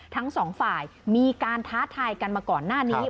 ทั้งสองฝ่ายมีการท้าทายกันมาก่อนหน้านี้